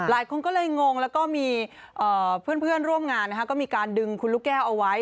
หลายคนก็เลยงงแล้วก็มีเพื่อนร่วมงานนะคะก็มีการดึงคุณลูกแก้วเอาไว้